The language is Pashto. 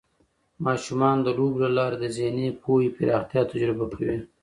ماشومان د لوبو له لارې د ذهني پوهې پراختیا تجربه کوي.